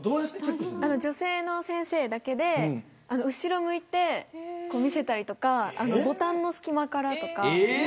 女性の先生だけで後ろを向いて見せたりとかボタンの隙間からとか。